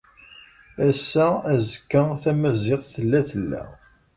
Ass-a azekka, Tamaziɣt tella tella.